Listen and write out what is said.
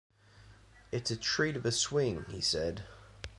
“It’s a treat of a swing,” he said.